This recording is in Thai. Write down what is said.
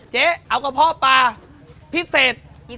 เจ๊เอากระเพาะปลาพิเศษ